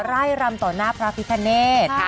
ร่ายรำต่อหน้าพระพิธเนต